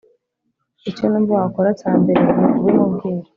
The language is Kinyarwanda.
icyo numva wakora cyambere nukubimubwira"